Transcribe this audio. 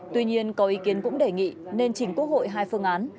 tuy nhiên có ý kiến cũng đề nghị nên chỉnh quốc hội hai phương án